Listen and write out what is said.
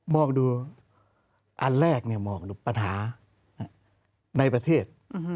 มองดูอันแรกมองดูปัญหาในประเทศ